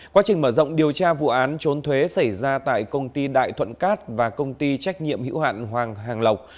quá trình mở rộng điều tra vụ án trốn thuế xảy ra tại công ty đại thuận cát và công ty trách nhiệm hữu hạn hoàng hàng lộc